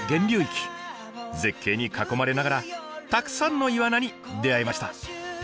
絶景に囲まれながらたくさんのイワナに出会えました。